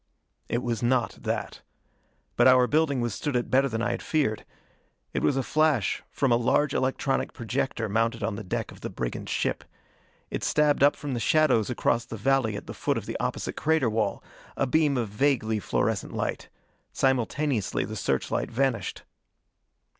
It was not that. But our building withstood it better than I had feared. It was a flash from a large electronic projector mounted on the deck of the brigand ship. It stabbed up from the shadows across the valley at the foot of the opposite crater wall, a beam of vaguely fluorescent light. Simultaneously the search light vanished.